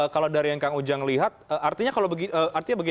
kalau dari yang kang ujang lihat